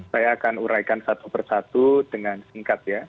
saya akan uraikan satu persatu dengan singkat ya